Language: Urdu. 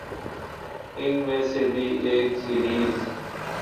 ان میں سے بھی ایک سیریز